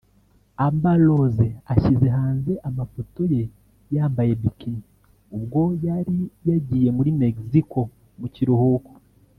Amber Rose ashyize hanze amafoto ye yambaye bikini ubwo yari yagiye muri Mexico mu kiruhuko